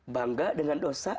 bangga dengan dosa